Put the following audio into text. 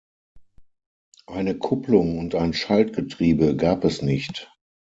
Eine Kupplung und ein Schaltgetriebe gab es nicht.